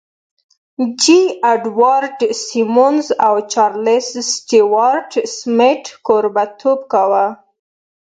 جې اډوارډ سيمونز او چارليس سټيوارټ سميت کوربهتوب کاوه.